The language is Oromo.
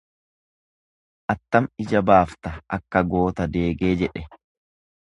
Attam ija baafta akka goota deegee jedhe.